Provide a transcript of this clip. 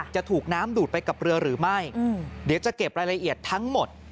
จะถูกน้ำดูดไปกับเรือหรือไม่เดี๋ยวจะเก็บรายละเอียดทั้งหมด